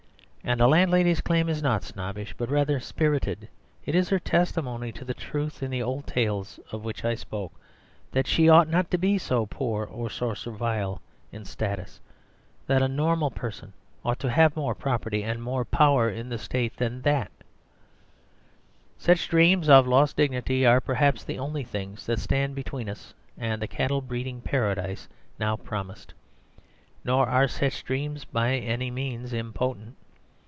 And the landlady's claim is not snobbish, but rather spirited; it is her testimony to the truth in the old tales of which I spoke: that she ought not to be so poor or so servile in status; that a normal person ought to have more property and more power in the State than that. Such dreams of lost dignity are perhaps the only things that stand between us and the cattle breeding paradise now promised. Nor are such dreams by any means impotent.